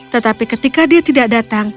tetapi ketika dia tidak datang